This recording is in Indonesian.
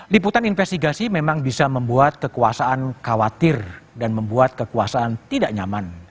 liputan investigasi memang bisa membuat kekuasaan khawatir dan membuat kekuasaan tidak nyaman